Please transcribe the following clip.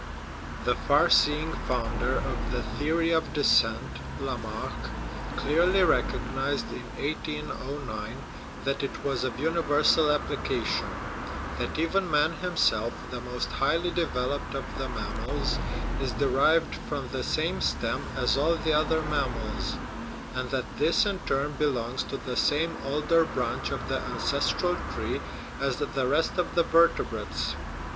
The far seeing founder of the theory of descent, Lamarck, clearly recognized in 1809 that it was of uni versal application; that even man himself, the most highly developed of the mammals, is derived from the same stem as all the other mammals ; and that this in its turn belongs to the same older branch of the ances tral tree as the rest of the vertebrates.